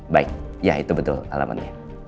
baik ya itu betul alamannya